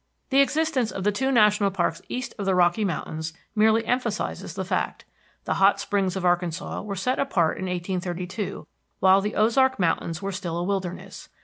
The existence of the two national parks east of the Rocky Mountains merely emphasizes the fact. The Hot Springs of Arkansas were set apart in 1832 while the Ozark Mountains were still a wilderness.